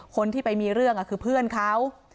คนที่ไปมีเรื่องคือเพื่อนเขา